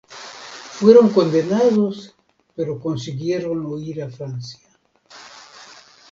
Fueron condenados, pero consiguieron huir a Francia.